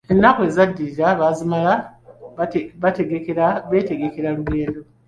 Enaku ezaddirira, baazimala betegekera olugendo.